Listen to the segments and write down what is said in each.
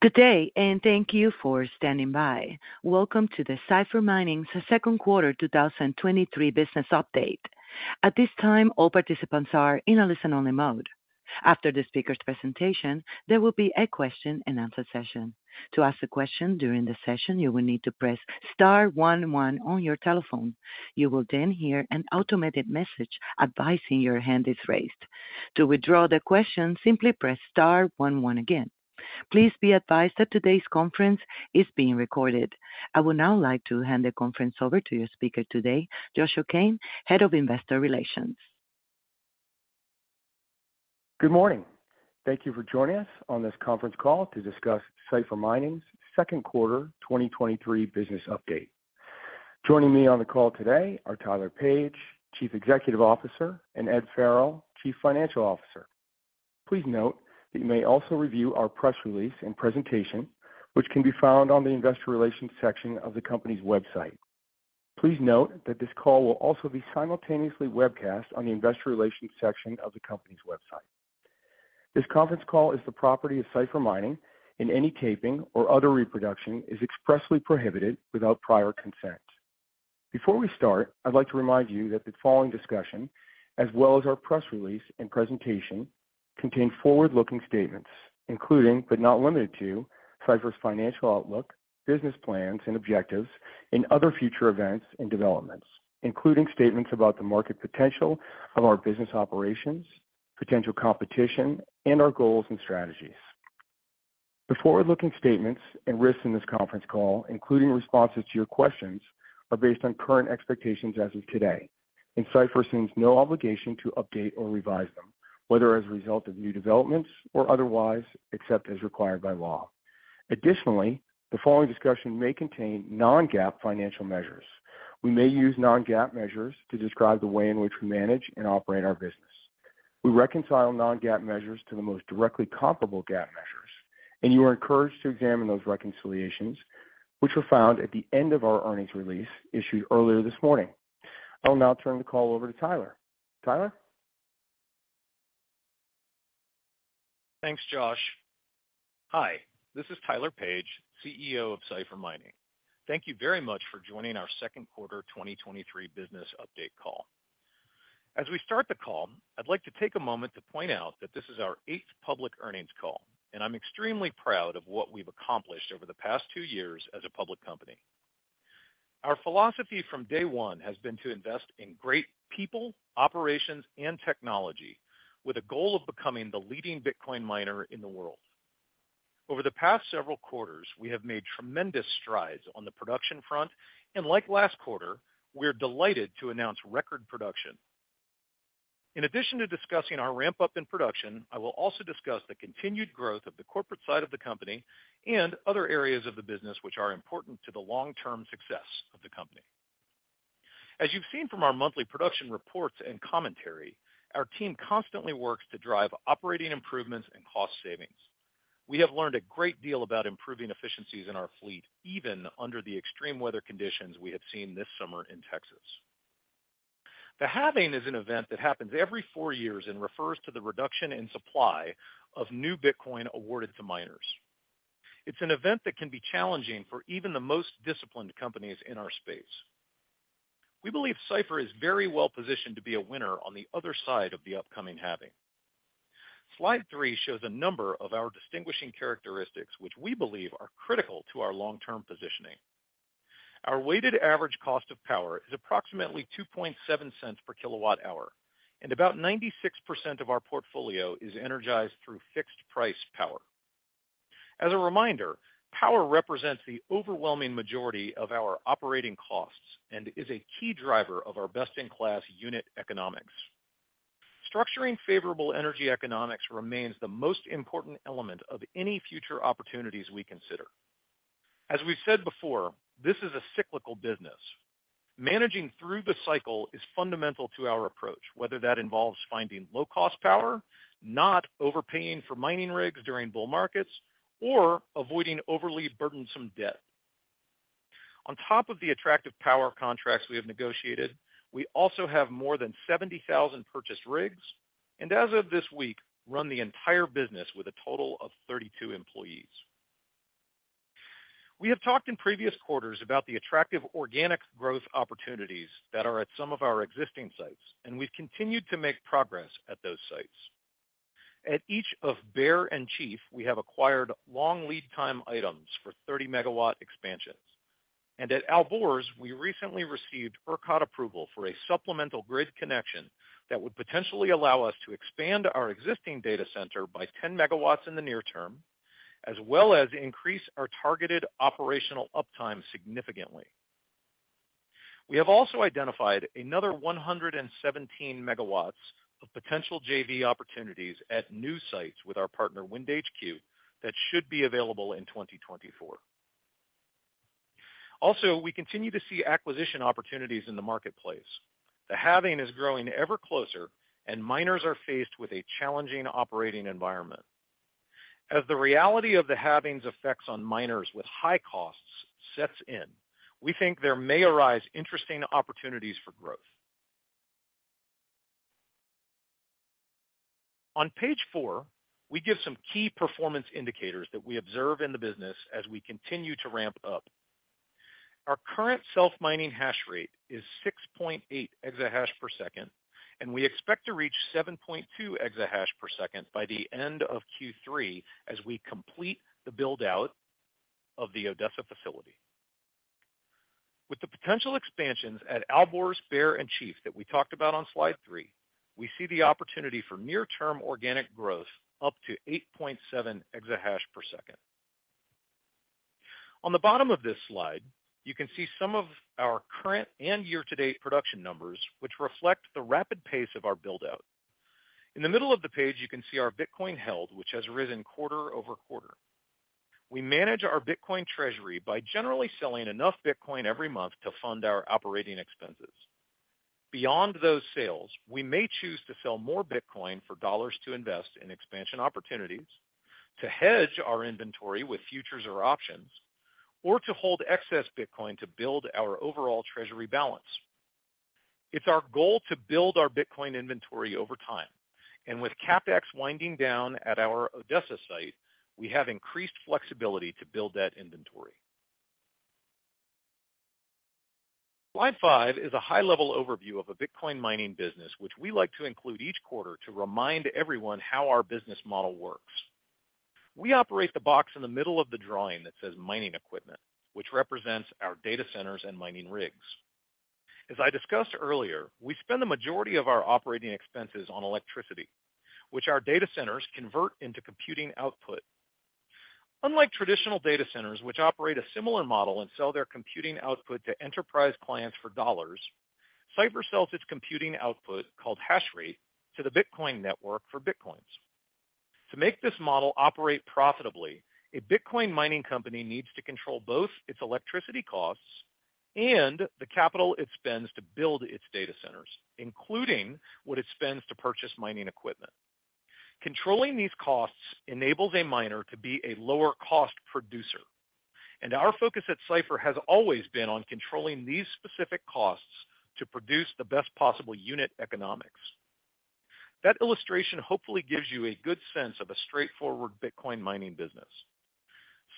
Good day. Thank you for standing by. Welcome to Cipher Mining's second quarter 2023 business update. At this time, all participants are in a listen-only mode. After the speaker's presentation, there will be a Q&A session. To ask a question during the session, you will need to press star one one on your telephone. You will hear an automated message advising your hand is raised. To withdraw the question, simply press star one one again. Please be advised that today's conference is being recorded. I would now like to hand the conference over to your speaker today, Joshua Kane, Head of Investor Relations. Good morning. Thank you for joining us on this conference call to discuss Cipher Mining's second quarter 2023 business update. Joining me on the call today are Tyler Page, Chief Executive Officer, and Ed Farrell, Chief Financial Officer. Please note that you may also review our press release and presentation, which can be found on the investor relations section of the company's website. Please note that this call will also be simultaneously webcast on the investor relations section of the company's website. This conference call is the property of Cipher Mining, and any taping or other reproduction is expressly prohibited without prior consent. Before we start, I'd like to remind you that the following discussion, as well as our press release and presentation, contain forward-looking statements, including, but not limited to, Cipher's financial outlook, business plans and objectives, and other future events and developments, including statements about the market potential of our business operations, potential competition, and our goals and strategies. The forward-looking statements and risks in this conference call, including responses to your questions, are based on current expectations as of today, and Cipher assumes no obligation to update or revise them, whether as a result of new developments or otherwise, except as required by law. Additionally, the following discussion may contain non-GAAP financial measures. We may use non-GAAP measures to describe the way in which we manage and operate our business. We reconcile non-GAAP measures to the most directly comparable GAAP measures. You are encouraged to examine those reconciliations, which are found at the end of our earnings release issued earlier this morning. I'll now turn the call over to Tyler. Tyler? Thanks, Josh. Hi, this is Tyler Page, CEO of Cipher Mining. Thank you very much for joining our second quarter 2023 business update call. As we start the call, I'd like to take a moment to point out that this is our eighth public earnings call, and I'm extremely proud of what we've accomplished over the past two years as a public company. Our philosophy from day one has been to invest in great people, operations, and technology with a goal of becoming the leading Bitcoin miner in the world. Over the past several quarters, we have made tremendous strides on the production front, and like last quarter, we're delighted to announce record production. In addition to discussing our ramp-up in production, I will also discuss the continued growth of the corporate side of the company and other areas of the business which are important to the long-term success of the company. As you've seen from our monthly production reports and commentary, our team constantly works to drive operating improvements and cost savings. We have learned a great deal about improving efficiencies in our fleet, even under the extreme weather conditions we have seen this summer in Texas. The halving is an event that happens every four years and refers to the reduction in supply of new Bitcoin awarded to miners. It's an event that can be challenging for even the most disciplined companies in our space. We believe Cipher is very well positioned to be a winner on the other side of the upcoming halving. Slide three shows a number of our distinguishing characteristics, which we believe are critical to our long-term positioning. Our weighted average cost of power is approximately $2.7 per kWh, and about 96% of our portfolio is energized through fixed-price power. As a reminder, power represents the overwhelming majority of our operating costs and is a key driver of our best-in-class unit economics. Structuring favorable energy economics remains the most important element of any future opportunities we consider. As we've said before, this is a cyclical business. Managing through the cycle is fundamental to our approach, whether that involves finding low-cost power, not overpaying for mining rigs during bull markets, or avoiding overly burdensome debt. On top of the attractive power contracts we have negotiated, we also have more than 70,000 purchased rigs, and as of this week, run the entire business with a total of 32 employees. We have talked in previous quarters about the attractive organic growth opportunities that are at some of our existing sites, and we've continued to make progress at those sites. At each of Bear and Chief, we have acquired long lead time items for 30 MW expansions. At Alborz, we recently received ERCOT approval for a supplemental grid connection that would potentially allow us to expand our existing data center by 10 MW in the near term, as well as increase our targeted operational uptime significantly. We have also identified another 117 MW of potential JV opportunities at new sites with our partner, WindHQ, that should be available in 2024. We continue to see acquisition opportunities in the marketplace. The halving is growing ever closer, and miners are faced with a challenging operating environment. As the reality of the halving's effects on miners with high costs sets in, we think there may arise interesting opportunities for growth. On page four, we give some key performance indicators that we observe in the business as we continue to ramp up. Our current self-mining hash rate is 6.8 exahash per second, and we expect to reach 7.2 exahash per second by the end of Q3 as we complete the build-out of the Odessa facility. With the potential expansions at Alborz, Bear, and Chief that we talked about on slide 3, we see the opportunity for near-term organic growth up to 8.7 exahash per second. On the bottom of this slide, you can see some of our current and year-to-date production numbers, which reflect the rapid pace of our build-out. In the middle of the page, you can see our Bitcoin held, which has risen quarter-over-quarter. We manage our Bitcoin treasury by generally selling enough Bitcoin every month to fund our operating expenses. Beyond those sales, we may choose to sell more Bitcoin for dollars to invest in expansion opportunities, to hedge our inventory with futures or options, or to hold excess Bitcoin to build our overall treasury balance. It's our goal to build our Bitcoin inventory over time, and with CapEx winding down at our Odessa site, we have increased flexibility to build that inventory. Slide five is a high-level overview of a Bitcoin mining business, which we like to include each quarter to remind everyone how our business model works. We operate the box in the middle of the drawing that says mining equipment, which represents our data centers and mining rigs. As I discussed earlier, we spend the majority of our operating expenses on electricity, which our data centers convert into computing output. Unlike traditional data centers, which operate a similar model and sell their computing output to enterprise clients for dollars, Cipher sells its computing output, called hash rate, to the Bitcoin network for Bitcoins. To make this model operate profitably, a Bitcoin mining company needs to control both its electricity costs and the capital it spends to build its data centers, including what it spends to purchase mining equipment. Controlling these costs enables a miner to be a lower-cost producer, and our focus at Cipher has always been on controlling these specific costs to produce the best possible unit economics. That illustration hopefully gives you a good sense of a straightforward Bitcoin mining business.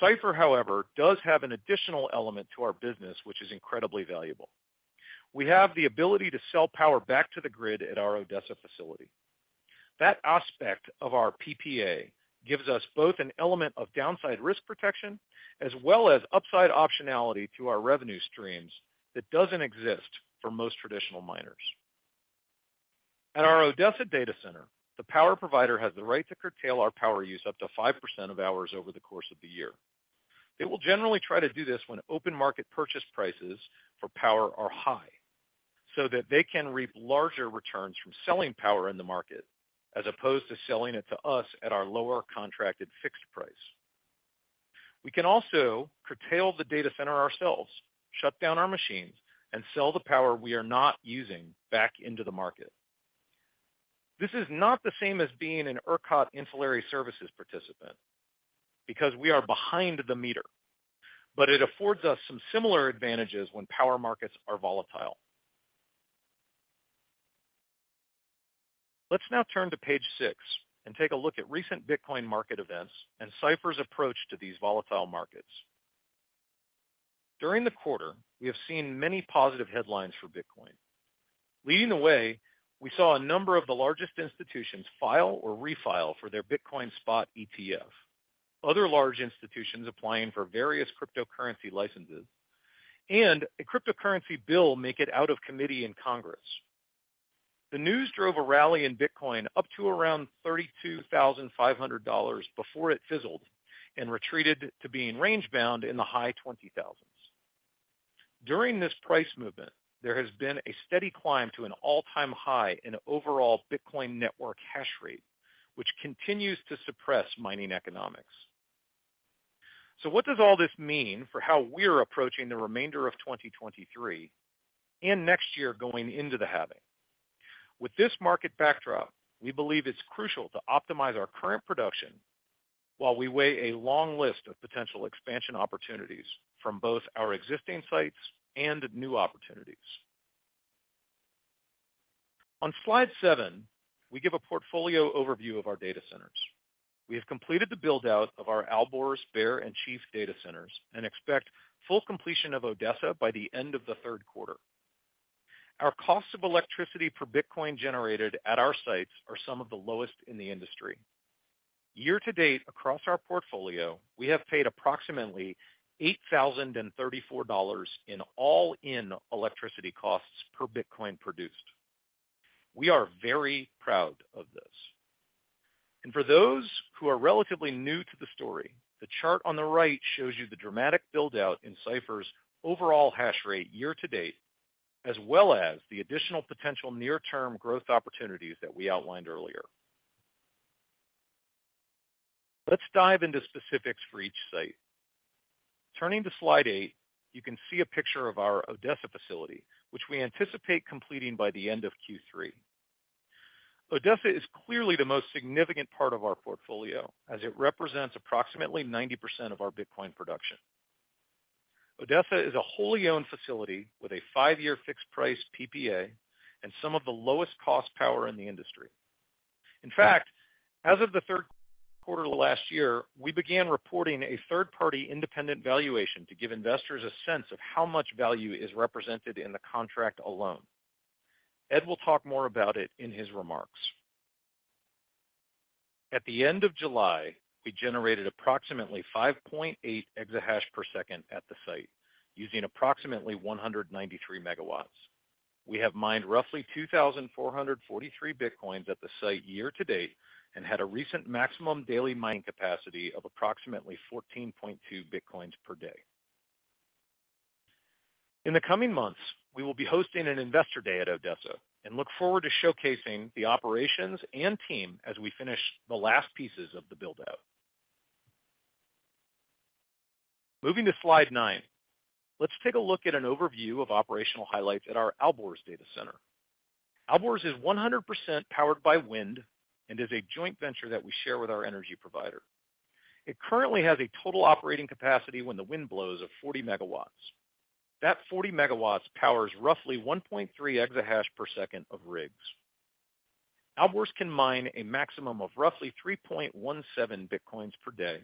Cipher, however, does have an additional element to our business, which is incredibly valuable. We have the ability to sell power back to the grid at our Odessa facility. That aspect of our PPA gives us both an element of downside risk protection as well as upside optionality to our revenue streams that doesn't exist for most traditional miners. At our Odessa data center, the power provider has the right to curtail our power use up to 5% of hours over the course of the year. They will generally try to do this when open market purchase prices for power are high, so that they can reap larger returns from selling power in the market, as opposed to selling it to us at our lower contracted fixed price. We can also curtail the data center ourselves, shut down our machines, and sell the power we are not using back into the market. This is not the same as being an ERCOT ancillary services participant, because we are behind the meter, but it affords us some similar advantages when power markets are volatile. Let's now turn to page six and take a look at recent Bitcoin market events and Cipher's approach to these volatile markets. During the quarter, we have seen many positive headlines for Bitcoin. Leading the way, we saw a number of the largest institutions file or refile for their Bitcoin spot ETF, other large institutions applying for various cryptocurrency licenses, and a cryptocurrency bill make it out of committee in Congress. The news drove a rally in Bitcoin up to around $32,500 before it fizzled and retreated to being range-bound in the high 20,000s. During this price movement, there has been a steady climb to an all-time high in overall Bitcoin network hash rate, which continues to suppress mining economics. What does all this mean for how we're approaching the remainder of 2023 and next year going into the halving? With this market backdrop, we believe it's crucial to optimize our current production while we weigh a long list of potential expansion opportunities from both our existing sites and new opportunities. On slide seven, we give a portfolio overview of our data centers. We have completed the build-out of our Alborz, Bear, and Chief data centers and expect full completion of Odessa by the end of the third quarter. Our cost of electricity per Bitcoin generated at our sites are some of the lowest in the industry. Year to date, across our portfolio, we have paid approximately $8,034 in all-in electricity costs per Bitcoin produced. We are very proud of this. For those who are relatively new to the story, the chart on the right shows you the dramatic build-out in Cipher's overall hash rate year to date, as well as the additional potential near-term growth opportunities that we outlined earlier. Let's dive into specifics for each site. Turning to slide eight, you can see a picture of our Odessa facility, which we anticipate completing by the end of Q3. Odessa is clearly the most significant part of our portfolio, as it represents approximately 90% of our Bitcoin production.... Odessa is a wholly owned facility with a five-year fixed price PPA and some of the lowest-cost power in the industry. In fact, as of the third quarter of last year, we began reporting a third-party independent valuation to give investors a sense of how much value is represented in the contract alone. Ed will talk more about it in his remarks. At the end of July, we generated approximately 5.8 exahash per second at the site, using approximately 193 MW. We have mined roughly 2,443 Bitcoins at the site year-to-date and had a recent maximum daily mining capacity of approximately 14.2 bitcoins per day. In the coming months, we will be hosting an investor day at Odessa and look forward to showcasing the operations and team as we finish the last pieces of the build-out. Moving to slide nine, let's take a look at an overview of operational highlights at our Alborz data center. Alborz is 100% powered by wind and is a joint venture that we share with our energy provider. It currently has a total operating capacity when the wind blows of 40 MW. That 40 MW powers roughly 1.3 exahash per second of rigs. Alborz can mine a maximum of roughly 3.17 Bitcoins per day,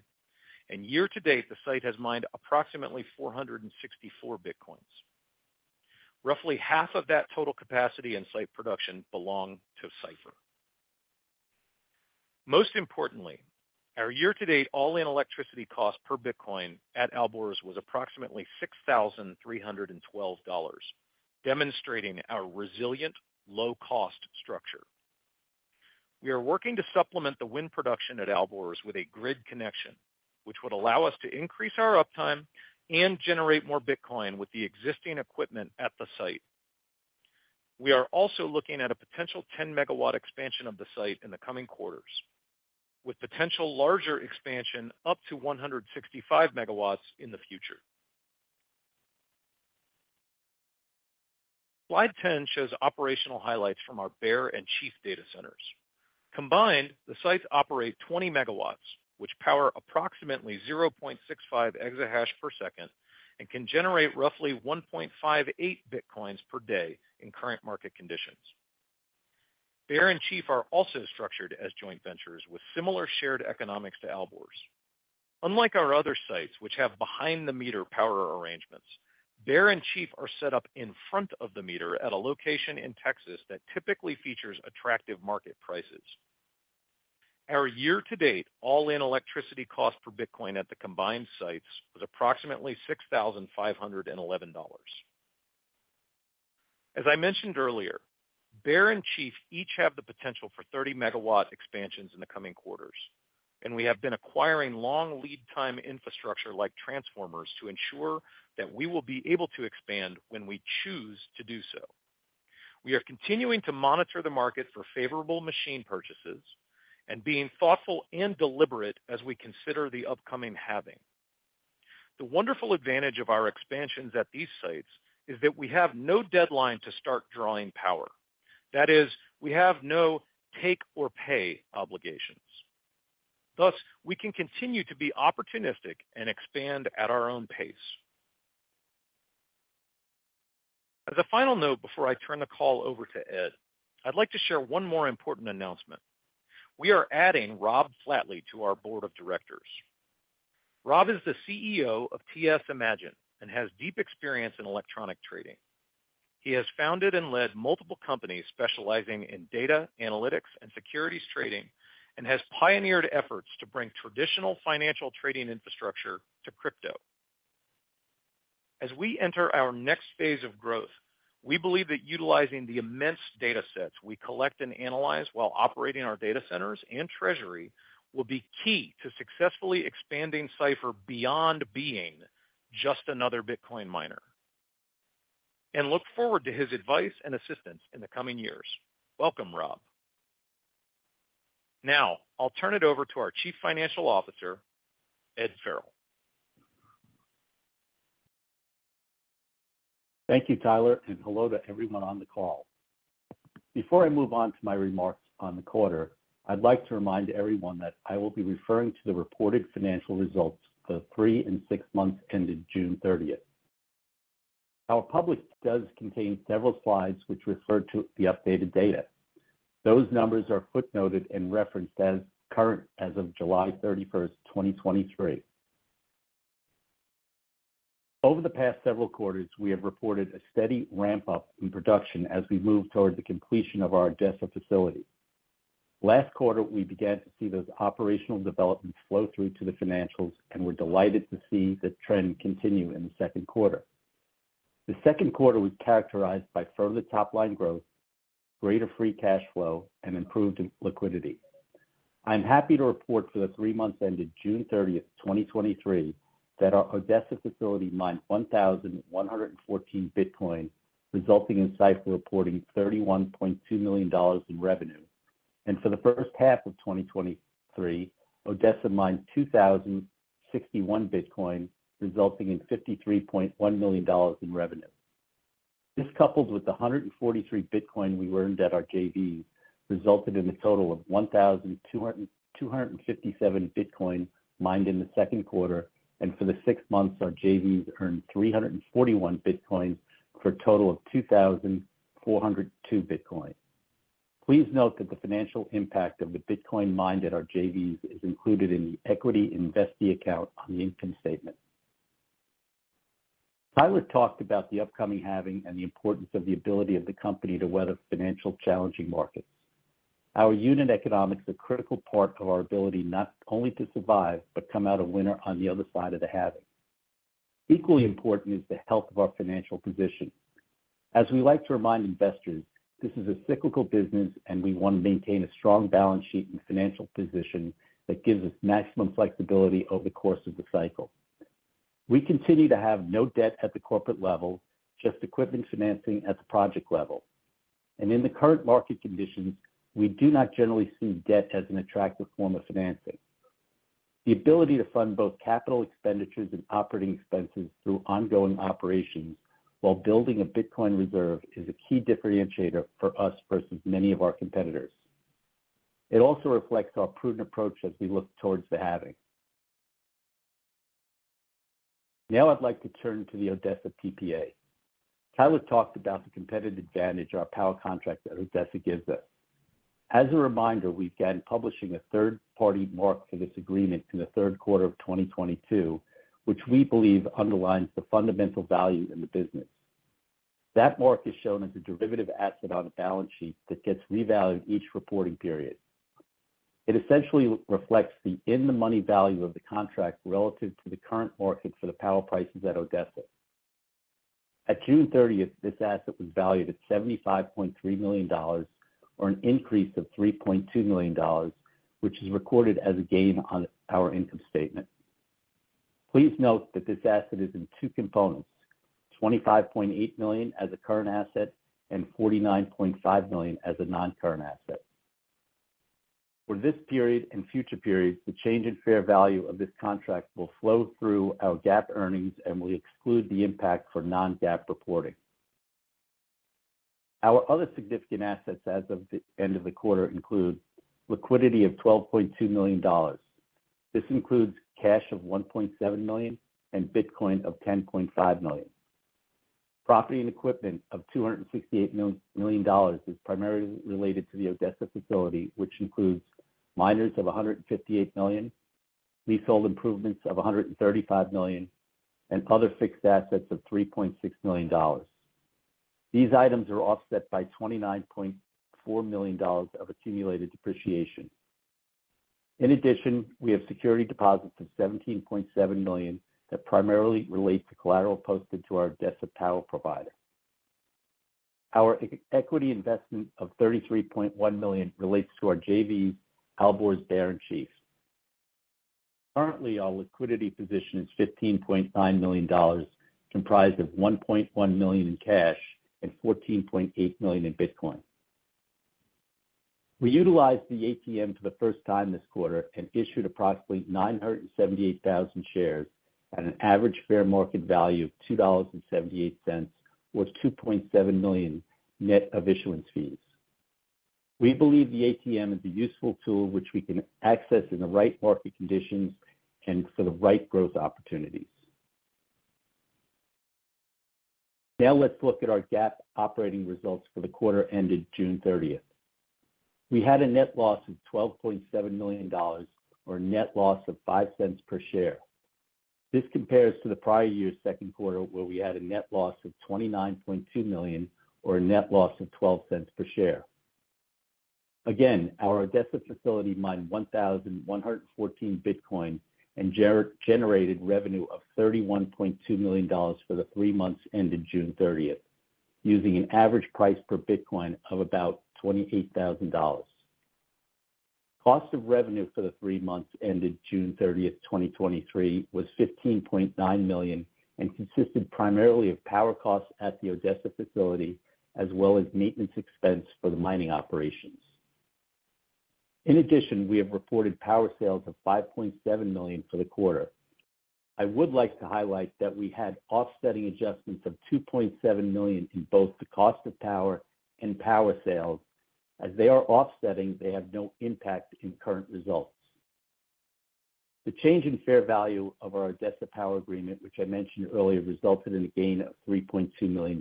and year-to-date, the site has mined approximately 464 Bitcoins. Roughly half of that total capacity and site production belong to Cipher. Most importantly, our year-to-date all-in electricity cost per Bitcoin at Alborz was approximately $6,312, demonstrating our resilient, low-cost structure. We are working to supplement the wind production at Alborz with a grid connection, which would allow us to increase our uptime and generate more Bitcoin with the existing equipment at the site. We are also looking at a potential 10 MW expansion of the site in the coming quarters, with potential larger expansion up to 165 MW in the future. Slide 10 shows operational highlights from our Bear and Chief data centers. Combined, the sites operate 20 MW, which power approximately 0.65 exahash per second and can generate roughly 1.58 Bitcoins per day in current market conditions. Bear and Chief are also structured as joint ventures with similar shared economics to Alborz. Unlike our other sites, which have behind the meter power arrangements, Bear and Chief are set up in front of the meter at a location in Texas that typically features attractive market prices. Our year-to-date all-in electricity cost per Bitcoin at the combined sites was approximately $6,511. As I mentioned earlier, Bear and Chief each have the potential for 30 MW expansions in the coming quarters, we have been acquiring long lead time infrastructure like transformers, to ensure that we will be able to expand when we choose to do so. We are continuing to monitor the market for favorable machine purchases and being thoughtful and deliberate as we consider the upcoming halving. The wonderful advantage of our expansions at these sites is that we have no deadline to start drawing power. That is, we have no take-or-pay obligations. Thus, we can continue to be opportunistic and expand at our own pace. As a final note, before I turn the call over to Ed, I'd like to share one more important announcement. We are adding Rob Flatley to our board of directors. Rob is the CEO of TS Imagine and has deep experience in electronic trading. He has founded and led multiple companies specializing in data, analytics, and securities trading, and has pioneered efforts to bring traditional financial trading infrastructure to crypto. As we enter our next phase of growth, we believe that utilizing the immense data sets we collect and analyze while operating our data centers and treasury will be key to successfully expanding Cipher beyond being just another Bitcoin miner, and look forward to his advice and assistance in the coming years. Welcome, Rob. Now, I'll turn it over to our Chief Financial Officer, Ed Farrell. Thank you, Tyler, and hello to everyone on the call. Before I move on to my remarks on the quarter, I'd like to remind everyone that I will be referring to the reported financial results for the three and six months ended June 30th. Our public does contain several slides which refer to the updated data. Those numbers are footnoted and referenced as current as of July 31st, 2023. Over the past several quarters, we have reported a steady ramp-up in production as we move towards the completion of our Odessa facility. Last quarter, we began to see those operational developments flow through to the financials, and we're delighted to see the trend continue in the 2nd quarter. The 2nd quarter was characterized by further top-line growth, greater free cash flow, and improved liquidity. I'm happy to report for the three months ended June 30, 2023, that our Odessa facility mined 1,114 Bitcoin, resulting in Cipher reporting $31.2 million in revenue. For the first half of 2023, Odessa mined 2,061 Bitcoin, resulting in $53.1 million in revenue. This, coupled with the 143 Bitcoin we earned at our JVs, resulted in a total of 1,257 Bitcoin mined in the second quarter, and for the six months, our JVs earned 341 Bitcoins, for a total of 2,402 Bitcoin. Please note that the financial impact of the Bitcoin mined at our JVs is included in the equity investee account on the income statement. Tyler talked about the upcoming halving and the importance of the ability of the company to weather financial challenging markets. Our unit economics is a critical part of our ability not only to survive, but come out a winner on the other side of the halving. Equally important is the health of our financial position. As we like to remind investors, this is a cyclical business, and we want to maintain a strong balance sheet and financial position that gives us maximum flexibility over the course of the cycle. We continue to have no debt at the corporate level, just equipment financing at the project level. In the current market conditions, we do not generally see debt as an attractive form of financing. The ability to fund both capital expenditures and operating expenses through ongoing operations while building a Bitcoin reserve is a key differentiator for us versus many of our competitors. It also reflects our prudent approach as we look towards the halving. Now I'd like to turn to the Odessa PPA. Tyler talked about the competitive advantage our power contract at Odessa gives us. As a reminder, we began publishing a third-party mark for this agreement in the third quarter of 2022, which we believe underlines the fundamental value in the business. That mark is shown as a derivative asset on the balance sheet that gets revalued each reporting period. It essentially reflects the in-the-money value of the contract relative to the current market for the power prices at Odessa. At June 30th, this asset was valued at $75.3 million, or an increase of $3.2 million, which is recorded as a gain on our income statement. Please note that this asset is in two components: $25.8 million as a current asset and $49.5 million as a non-current asset. For this period and future periods, the change in fair value of this contract will flow through our GAAP earnings and will exclude the impact for non-GAAP reporting. Our other significant assets as of the end of the quarter include liquidity of $12.2 million. This includes cash of $1.7 million and Bitcoin of $10.5 million. Property and equipment of $268 million is primarily related to the Odessa facility, which includes miners of $158 million, leasehold improvements of $135 million, and other fixed assets of $3.6 million. These items are offset by $29.4 million of accumulated depreciation. In addition, we have security deposits of $17.7 million that primarily relate to collateral posted to our Odessa power provider. Our equity investment of $33.1 million relates to our JV, Alborz, Bear & Chief. Currently, our liquidity position is $15.9 million, comprised of $1.1 million in cash and $14.8 million in Bitcoin. We utilized the ATM for the first time this quarter and issued approximately 978,000 shares at an average fair market value of $2.78, or $2.7 million, net of issuance fees. We believe the ATM is a useful tool which we can access in the right market conditions and for the right growth opportunities. Now let's look at our GAAP operating results for the quarter ended June 30th. We had a net loss of $12.7 million, or a net loss of $0.05 per share. This compares to the prior year's second quarter, where we had a net loss of $29.2 million, or a net loss of $0.12 per share. Our Odessa facility mined 1,114 Bitcoin and generated revenue of $31.2 million for the three months ended June thirtieth, using an average price per Bitcoin of about $28,000. Cost of revenue for the three months ended June thirtieth, 2023, was $15.9 million and consisted primarily of power costs at the Odessa facility, as well as maintenance expense for the mining operations. In addition, we have reported power sales of $5.7 million for the quarter. I would like to highlight that we had offsetting adjustments of $2.7 million in both the cost of power and power sales. As they are offsetting, they have no impact in current results. The change in fair value of our Odessa power agreement, which I mentioned earlier, resulted in a gain of $3.2 million.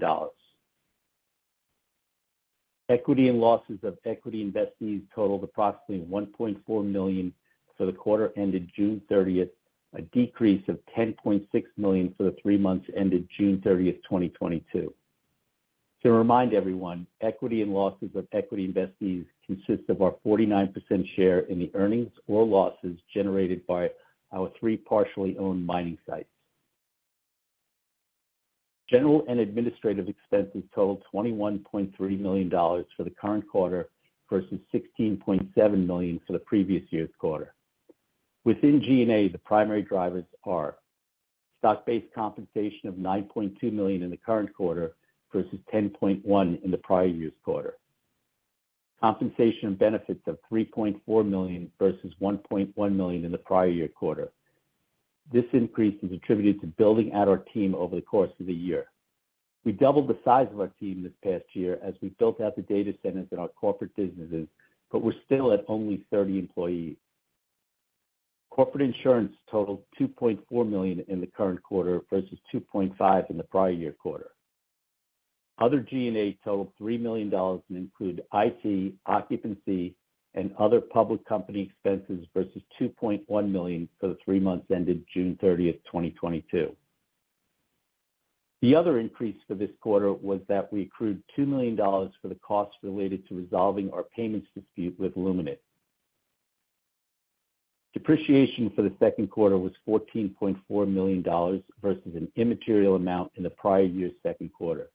Equity and losses of equity investees totaled approximately $1.4 million for the quarter ended June 30th, a decrease of $10.6 million for the three months ended June 30th, 2022. To remind everyone, equity and losses of equity investees consist of our 49% share in the earnings or losses generated by our three partially owned mining sites. General and administrative expenses totaled $21.3 million for the current quarter versus $16.7 million for the previous year's quarter. Within G&A, the primary drivers are stock-based compensation of $9.2 million in the current quarter versus $10.1 in the prior year's quarter, compensation and benefits of $3.4 million versus $1.1 million in the prior year quarter. This increase is attributed to building out our team over the course of the year. We doubled the size of our team this past year as we built out the data centers in our corporate businesses, we're still at only 30 employees. Corporate insurance totaled $2.4 million in the current quarter versus $2.5 million in the prior year quarter. Other G&A totaled $3 million and include IT, occupancy, and other public company expenses versus $2.1 million for the three months ended June 30, 2022. The other increase for this quarter was that we accrued $2 million for the costs related to resolving our payments dispute with Luminant. Depreciation for the second quarter was $14.4 million versus an immaterial amount in the prior year's second quarter.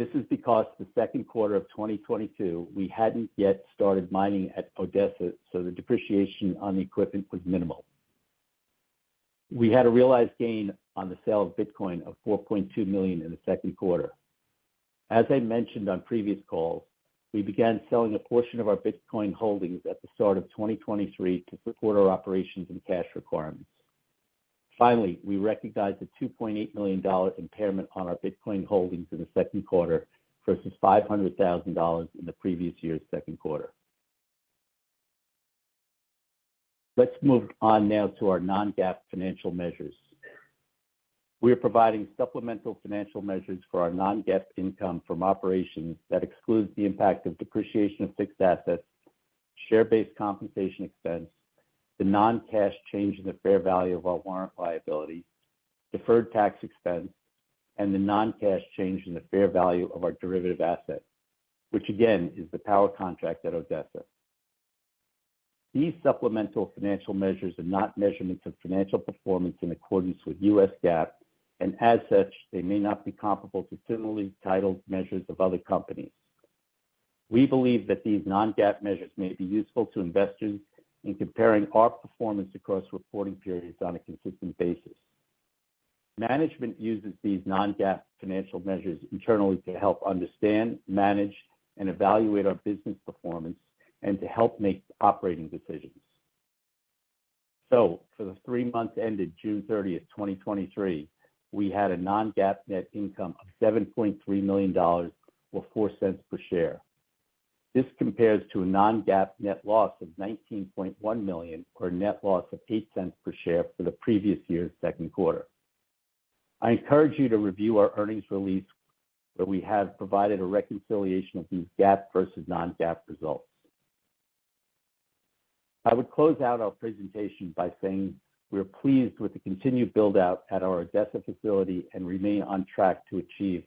This is because the second quarter of 2022, we hadn't yet started mining at Odessa, so the depreciation on the equipment was minimal. We had a realized gain on the sale of Bitcoin of $4.2 million in the second quarter. As I mentioned on previous calls, we began selling a portion of our Bitcoin holdings at the start of 2023 to support our operations and cash requirements. Finally, we recognized a $2.8 million impairment on our Bitcoin holdings in the second quarter versus $500,000 in the previous year's second quarter. Let's move on now to our non-GAAP financial measures. We are providing supplemental financial measures for our non-GAAP income from operations that excludes the impact of depreciation of fixed assets, share-based compensation expense, the non-cash change in the fair value of our warrant liability, deferred tax expense, and the non-cash change in the fair value of our derivative asset, which again, is the power contract at Odessa. These supplemental financial measures are not measurements of financial performance in accordance with U.S. GAAP, and as such, they may not be comparable to similarly titled measures of other companies. We believe that these non-GAAP measures may be useful to investors in comparing our performance across reporting periods on a consistent basis. Management uses these non-GAAP financial measures internally to help understand, manage, and evaluate our business performance and to help make operating decisions. For the three months ended June 30, 2023, we had a non-GAAP net income of $7.3 million, or $0.04 per share. This compares to a non-GAAP net loss of $19.1 million, or a net loss of $0.08 per share for the previous year's second quarter. I encourage you to review our earnings release, where we have provided a reconciliation of these GAAP versus non-GAAP results. I would close out our presentation by saying we are pleased with the continued build-out at our Odessa facility and remain on track to achieve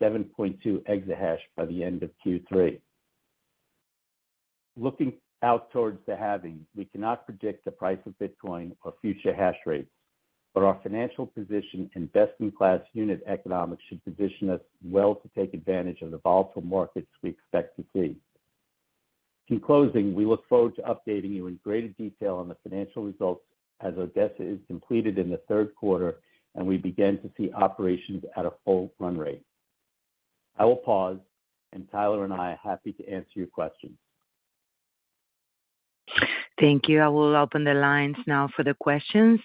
7.2 exahash by the end of Q3. Looking out towards the halving, we cannot predict the price of Bitcoin or future hash rates, but our financial position and best-in-class unit economics should position us well to take advantage of the volatile markets we expect to see. In closing, we look forward to updating you in greater detail on the financial results as Odessa is completed in the third quarter, and we begin to see operations at a full run rate. I will pause, and Tyler and I are happy to answer your questions. Thank you. I will open the lines now for the questions.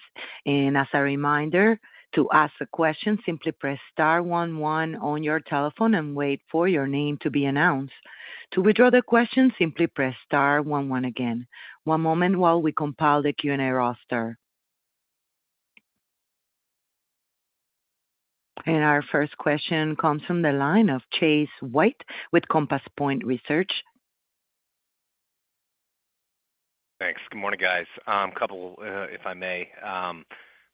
As a reminder, to ask a question, simply press star one one on your telephone and wait for your name to be announced. To withdraw the question, simply press star one one again. One moment while we compile the Q&A roster. Our first question comes from the line of Chase White with Compass Point Research. Thanks. Good morning, guys. A couple, if I may.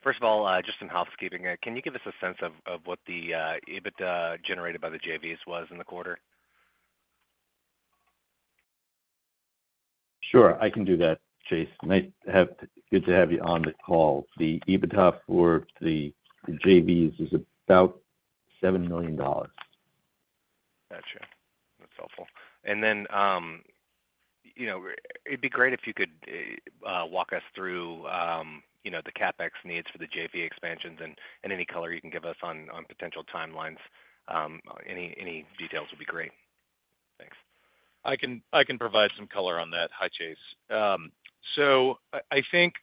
First of all, just some housekeeping. Can you give us a sense of what the EBITDA generated by the JVs was in the quarter? Sure, I can do that, Chase. Good to have you on the call. The EBITDA for the JVs is about $7 million. Gotcha. That's helpful. You know, it'd be great if you could walk us through, you know, the CapEx needs for the JV expansions and any color you can give us on potential timelines. Any details would be great. Thanks. I can, I can provide some color on that. Hi, Chase. I, I think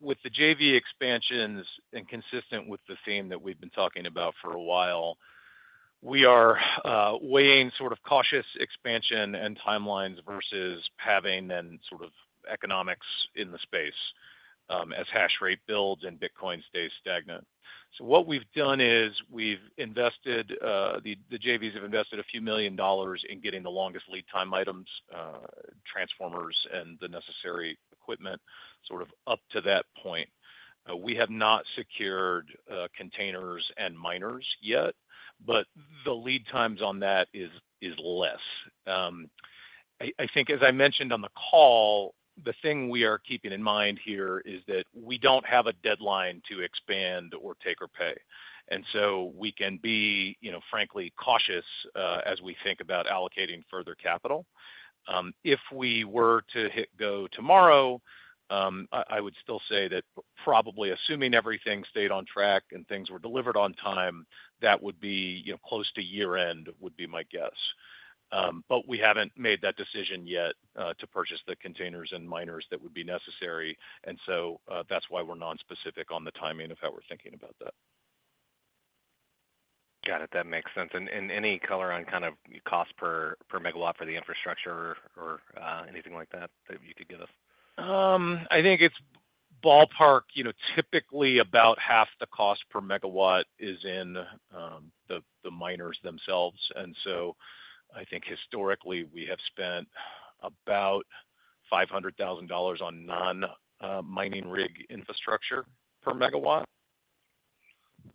with the JV expansions and consistent with the theme that we've been talking about for a while, we are weighing sort of cautious expansion and timelines versus halving and sort of economics in the space as hash rate builds and Bitcoin stays stagnant. What we've done is we've invested, the JVs have invested a few million dollars in getting the longest lead time items, transformers and the necessary equipment, sort of up to that point. We have not secured containers and miners yet, the lead times on that is, is less. I, I think as I mentioned on the call, the thing we are keeping in mind here is that we don't have a deadline to expand or take or pay, and so we can be, you know, frankly, cautious, as we think about allocating further capital. If we were to hit go tomorrow, I, I would still say that probably assuming everything stayed on track and things were delivered on time, that would be, you know, close to year-end, would be my guess. We haven't made that decision yet to purchase the containers and miners that would be necessary, and so that's why we're nonspecific on the timing of how we're thinking about that. Got it. That makes sense. Any color on kind of cost per, per megawatt for the infrastructure or, anything like that, that you could give us? I think it's ballpark, you know, typically about half the cost per megawatt is in, the, the miners themselves, and so I think historically we have spent about $500,000 on non, mining rig infrastructure per megawatt.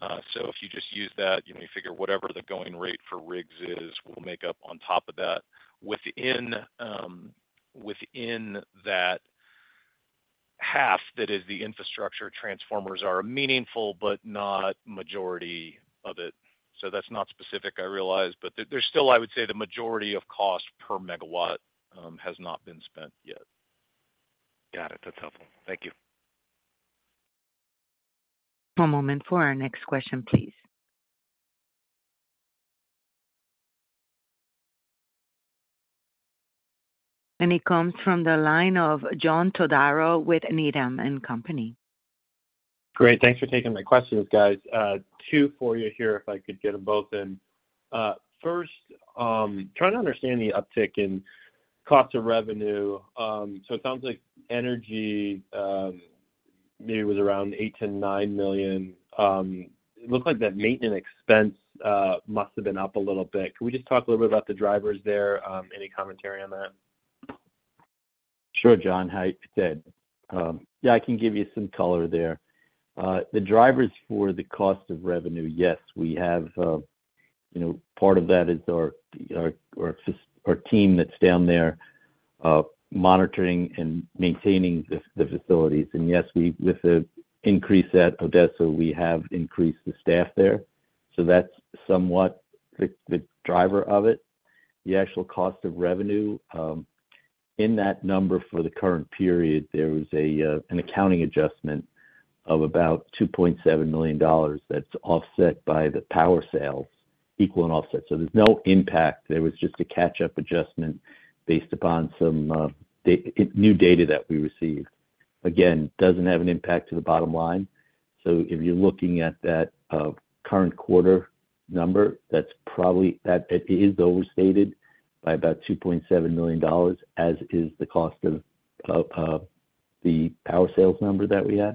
If you just use that, you know, you figure whatever the going rate for rigs is, we'll make up on top of that. Within, within that half, that is the infrastructure, transformers are a meaningful but not majority of it. That's not specific, I realize, but there, there's still, I would say, the majority of cost per megawatt, has not been spent yet. Got it. That's helpful. Thank you. One moment for our next question, please. It comes from the line of John Todaro with Needham & Company. Great, thanks for taking my questions, guys. Two for you here, if I could get them both in. First, trying to understand the uptick in cost of revenue. It sounds like energy maybe was around $8 million-$9 million. It looked like that maintenance expense must have been up a little bit. Can we just talk a little bit about the drivers there? Any commentary on that? Sure, John. Hi, it's Ted. Yeah, I can give you some color there. The drivers for the cost of revenue, yes, we have, you know, part of that is our, our team that's down there, monitoring and maintaining the facilities. Yes, with the increase at Odessa, we have increased the staff there, so that's somewhat the driver of it. The actual cost of revenue, in that number for the current period, there was an accounting adjustment of about $2.7 million that's offset by the power sales equal and offset. There's no impact. There was just a catch-up adjustment based upon some new data that we received. Again, doesn't have an impact to the bottom line. If you're looking at that current quarter number, that's probably... It is overstated by about $2.7 million, as is the cost of the power sales number that we had.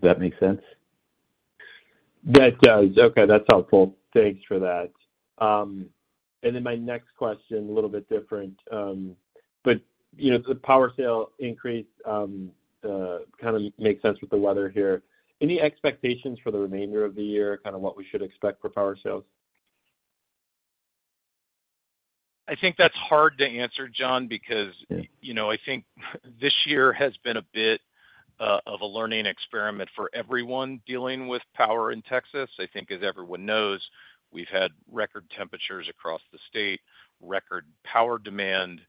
Does that make sense? That does. Okay, that's helpful. Thanks for that. My next question, a little bit different, but, you know, the power sale increase, kind of makes sense with the weather here. Any expectations for the remainder of the year, kind of what we should expect for power sales? I think that's hard to answer, John, because- Yeah... you know, I think this year has been a bit of a learning experiment for everyone dealing with power in Texas. I think, as everyone knows, we've had record temperatures across the state, record power demand,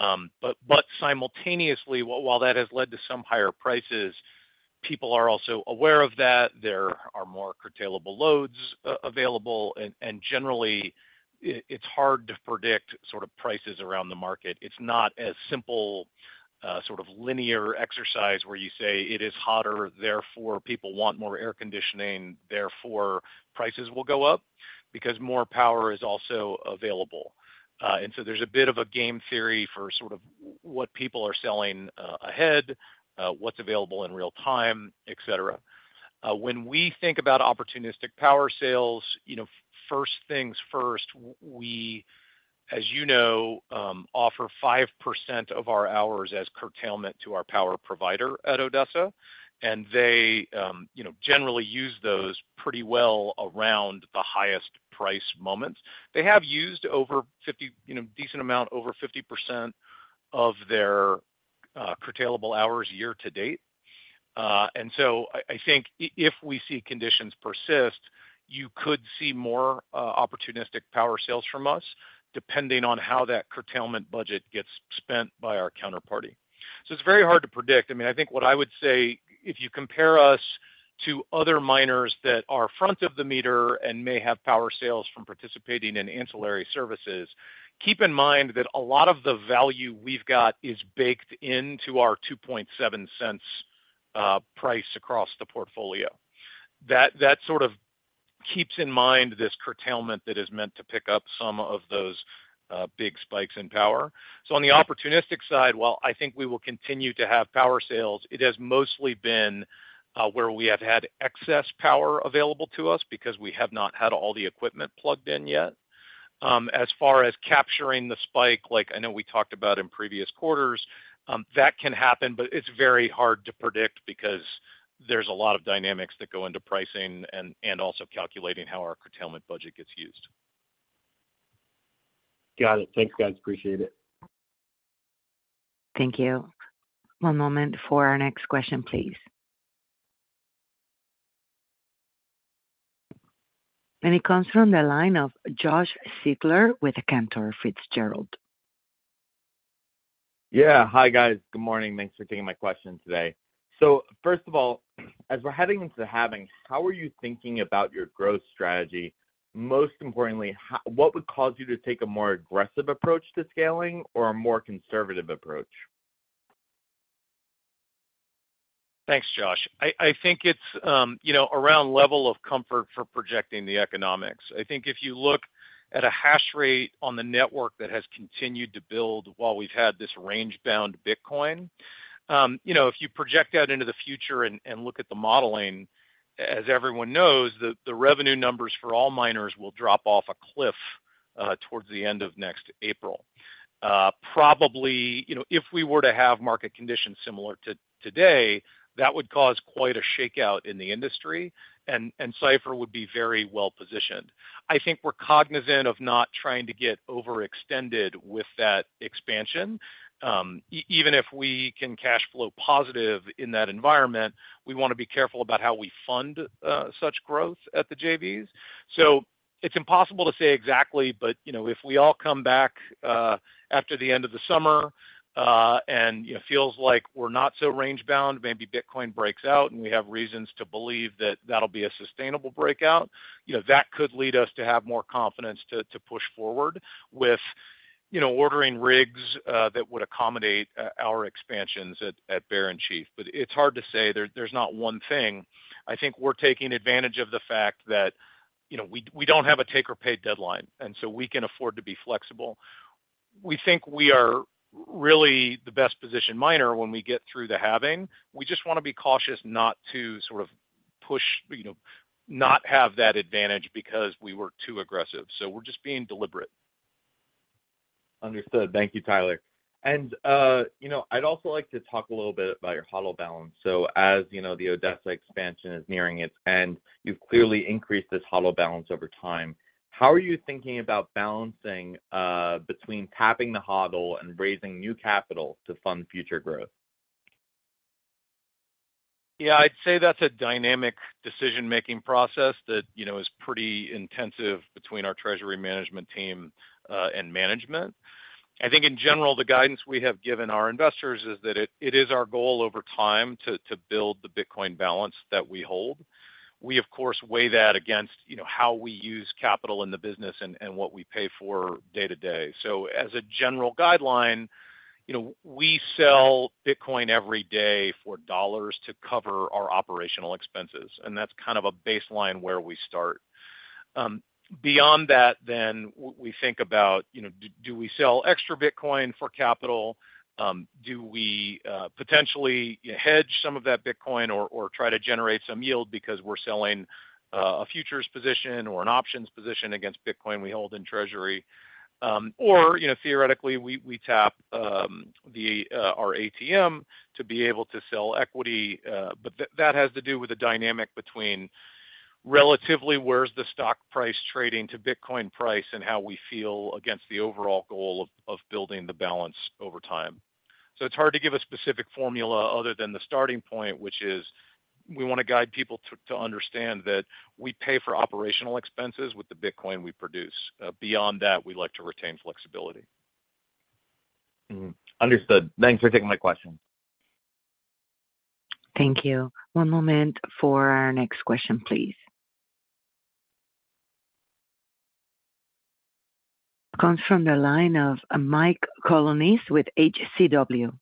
but simultaneously, while that has led to some higher prices, people are also aware of that. There are more curtailable loads available, and generally, it's hard to predict sort of prices around the market. It's not a simple sort of linear exercise where you say: It is hotter, therefore people want more air conditioning, therefore prices will go up, because more power is also available. So there's a bit of a game theory for sort of what people are selling ahead, what's available in real time, et cetera. When we think about opportunistic power sales, you know, first things first, we, as you know, offer 5% of our hours as curtailment to our power provider at Odessa, and they, you know, generally use those pretty well around the highest price moments. They have used over 50, you know, decent amount, over 50% of their curtailable hours year to date. I, I think if we see conditions persist, you could see more opportunistic power sales from us, depending on how that curtailment budget gets spent by our counterparty. It's very hard to predict. I mean, I think what I would say, if you compare us to other miners that are front of the meter and may have power sales from participating in ancillary services, keep in mind that a lot of the value we've got is baked into our $0.027 price across the portfolio. That, that sort of keeps in mind this curtailment that is meant to pick up some of those big spikes in power. On the opportunistic side, while I think we will continue to have power sales, it has mostly been where we have had excess power available to us because we have not had all the equipment plugged in yet. As far as capturing the spike, like I know we talked about in previous quarters, that can happen, but it's very hard to predict because there's a lot of dynamics that go into pricing and, and also calculating how our curtailment budget gets used. Got it. Thanks, guys. Appreciate it. Thank you. One moment for our next question, please.... It comes from the line of Josh Siegler with Cantor Fitzgerald. Yeah. Hi, guys. Good morning. Thanks for taking my question today. First of all, as we're heading into the halving, how are you thinking about your growth strategy? Most importantly, what would cause you to take a more aggressive approach to scaling or a more conservative approach? Thanks, Josh. I, I think it's, you know, around level of comfort for projecting the economics. I think if you look at a hash rate on the network that has continued to build while we've had this range-bound Bitcoin, you know, if you project out into the future and, and look at the modeling, as everyone knows, the, the revenue numbers for all miners will drop off a cliff, towards the end of next April. Probably, you know, if we were to have market conditions similar to today, that would cause quite a shakeout in the industry, and, and Cipher would be very well positioned. I think we're cognizant of not trying to get overextended with that expansion. E- even if we can cashflow positive in that environment, we wanna be careful about how we fund, such growth at the JVs. It's impossible to say exactly, but, you know, if we all come back after the end of the summer, and, you know, feels like we're not so range-bound, maybe Bitcoin breaks out, and we have reasons to believe that that'll be a sustainable breakout, you know, that could lead us to have more confidence to, to push forward with, you know, ordering rigs that would accommodate our expansions at Bear and Chief. But it's hard to say. There, there's not one thing. I think we're taking advantage of the fact that, you know, we, we don't have a take-or-pay deadline, and so we can afford to be flexible. We think we are really the best-positioned miner when we get through the halving. We just wanna be cautious not to sort of push, you know, not have that advantage because we were too aggressive, so we're just being deliberate. Understood. Thank you, Tyler. You know, I'd also like to talk a little bit about your HODL balance. As, you know, the Odessa expansion is nearing its end, you've clearly increased this HODL balance over time. How are you thinking about balancing between tapping the HODL and raising new capital to fund future growth? Yeah, I'd say that's a dynamic decision-making process that, you know, is pretty intensive between our treasury management team and management. I think in general, the guidance we have given our investors is that it, it is our goal over time to build the Bitcoin balance that we hold. We, of course, weigh that against, you know, how we use capital in the business and what we pay for day-to-day. As a general guideline, you know, we sell Bitcoin every day for dollars to cover our operational expenses, and that's kind of a baseline where we start. Beyond that, we think about, you know, do we sell extra Bitcoin for capital? Do we potentially hedge some of that Bitcoin or try to generate some yield because we're selling a futures position or an options position against Bitcoin we hold in treasury? Theoretically, we tap our ATM to be able to sell equity, but that, that has to do with the dynamic between relatively, where's the stock price trading to Bitcoin price and how we feel against the overall goal of building the balance over time. It's hard to give a specific formula other than the starting point, which is, we wanna guide people to understand that we pay for operational expenses with the Bitcoin we produce. Beyond that, we like to retain flexibility. Mm-hmm. Understood. Thanks for taking my question. Thank you. One moment for our next question, please. Comes from the line of Mike Colonnese with H.C. Wainwright.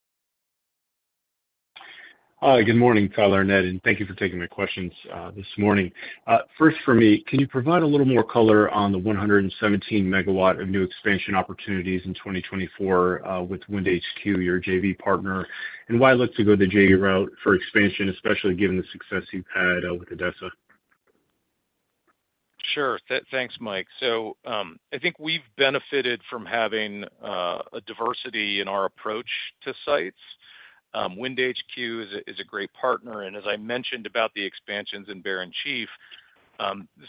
Good morning, Tyler and Ed, and thank you for taking my questions this morning. First for me, can you provide a little more color on the 117 MW of new expansion opportunities in 2024 with WindHQ, your JV partner? Why look to go the JV route for expansion, especially given the success you've had with Odessa? Sure. Thanks, Mike. I think we've benefited from having a diversity in our approach to sites. WindHQ is a great partner, and as I mentioned about the expansions in Bear and Chief,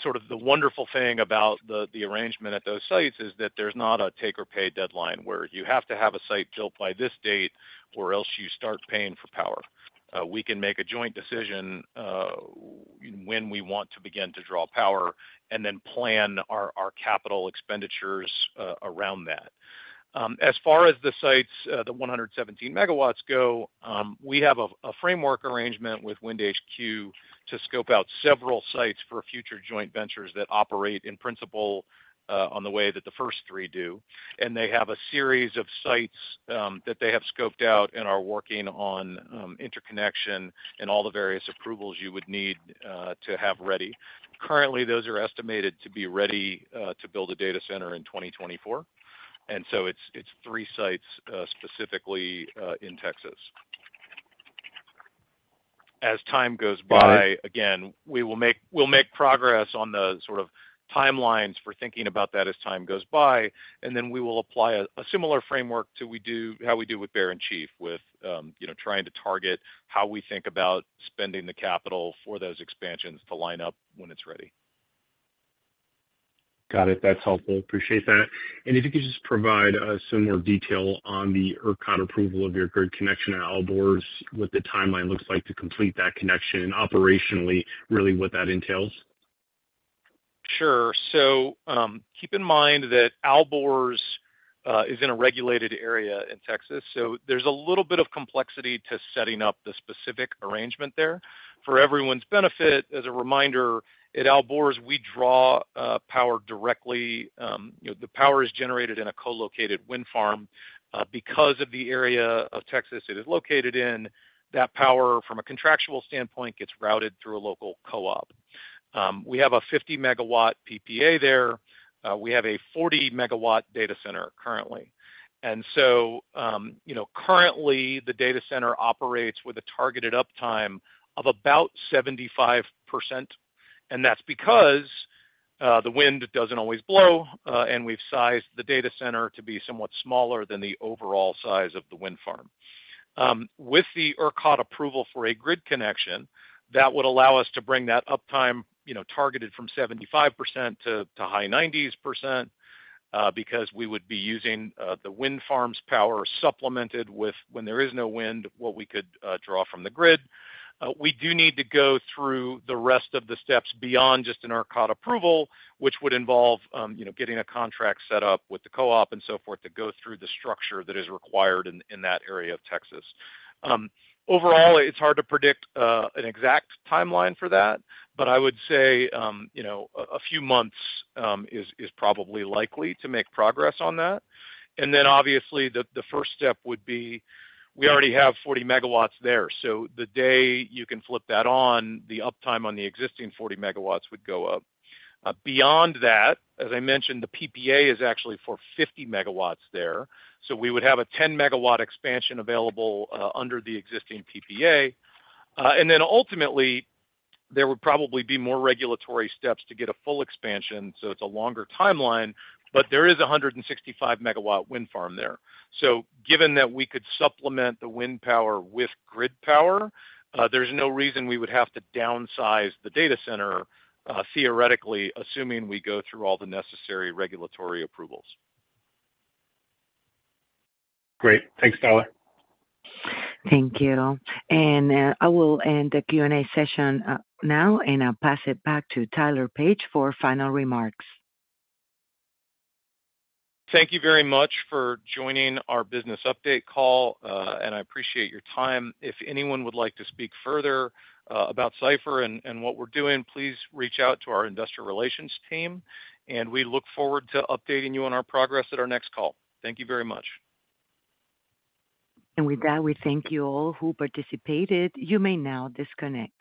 sort of the wonderful thing about the arrangement at those sites is that there's not a take-or-pay deadline, where you have to have a site built by this date or else you start paying for power. We can make a joint decision when we want to begin to draw power and then plan our capital expenditures around that. As far as the sites, the 117 MW go, we have a framework arrangement with WindHQ to scope out several sites for future joint ventures that operate in principle on the way that the first three do. They have a series of sites that they have scoped out and are working on interconnection and all the various approvals you would need to have ready. Currently, those are estimated to be ready to build a data center in 2024, it's 3 sites specifically in Texas. As time goes by, again, we'll make progress on the sort of timelines for thinking about that as time goes by, then we will apply a similar framework how we do with Bear and Chief, with, you know, trying to target how we think about spending the capital for those expansions to line up when it's ready. Got it. That's helpful. Appreciate that. If you could just provide some more detail on the ERCOT approval of your grid connection at Alborz, what the timeline looks like to complete that connection, and operationally, really what that entails? Sure. Keep in mind that Alborz is in a regulated area in Texas, so there's a little bit of complexity to setting up the specific arrangement there. For everyone's benefit, as a reminder, at Alborz, we draw power directly, you know, the power is generated in a co-located wind farm. Because of the area of Texas it is located in, that power, from a contractual standpoint, gets routed through a local co-op. We have a 50 MW PPA there. We have a 40 MW data center currently. You know, currently, the data center operates with a targeted uptime of about 75%, and that's because the wind doesn't always blow, and we've sized the data center to be somewhat smaller than the overall size of the wind farm. With the ERCOT approval for a grid connection, that would allow us to bring that uptime, you know, targeted from 75% to high 90s%, because we would be using the wind farm's power supplemented with, when there is no wind, what we could draw from the grid. We do need to go through the rest of the steps beyond just an ERCOT approval, which would involve, you know, getting a contract set up with the co-op and so forth, to go through the structure that is required in, in that area of Texas. Overall, it's hard to predict an exact timeline for that, but I would say, you know, a few months is probably likely to make progress on that. Then, obviously, the, the first step would be, we already have 40 MW there, so the day you can flip that on, the uptime on the existing 40 MW would go up. Beyond that, as I mentioned, the PPA is actually for 50 MW there, so we would have a 10 MW expansion available under the existing PPA. Then ultimately, there would probably be more regulatory steps to get a full expansion, so it's a longer timeline, but there is a 165 MW wind farm there. Given that we could supplement the wind power with grid power, there's no reason we would have to downsize the data center theoretically, assuming we go through all the necessary regulatory approvals. Great. Thanks, Tyler. Thank you. I will end the Q&A session, now, and I'll pass it back to Tyler Page for final remarks. Thank you very much for joining our business update call, and I appreciate your time. If anyone would like to speak further about Cipher and what we're doing, please reach out to our investor relations team, and we look forward to updating you on our progress at our next call. Thank you very much. With that, we thank you all who participated. You may now disconnect.